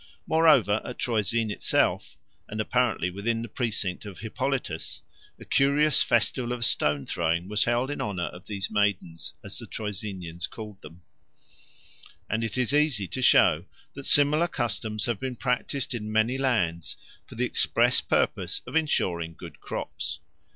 Moreover, at Troezen itself, and apparently within the precinct of Hippolytus, a curious festival of stone throwing was held in honour of these maidens, as the Troezenians called them; and it is easy to show that similar customs have been practised in many lands for the express purpose of ensuring good crops.